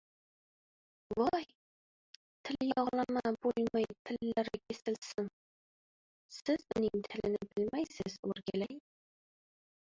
— Voy, tilyog‘lama bo‘lmay tillari kesilsin. Siz uning tilini bilmaysiz, o‘rgilay!